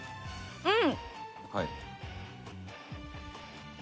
うん！